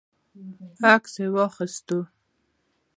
عکس یې واخیست.